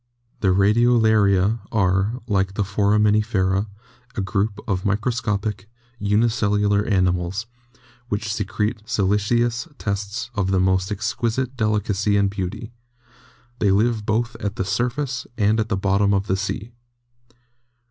The Radiolaria are, like the Foraminifera, a group of micro scopic, unicellular animals, which secrete siliceous tests of the most exquisite delicacy and beauty; they live both at the surface and at the bottom of the sea.